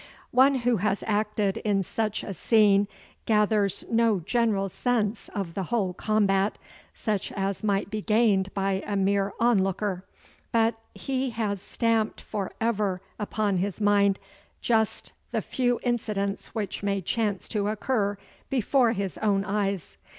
One who has acted in such a scene gathers no general sense of the whole combat, such as might be gained by a mere onlooker, but he has stamped for ever upon his mind just the few incidents which may chance to occur before his own eyes.